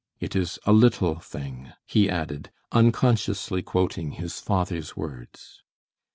It is a little thing," he added, unconsciously quoting his father's words.